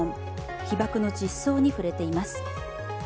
被爆の実相に触れています。